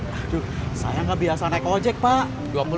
aduh saya nggak biasa naik ojek pak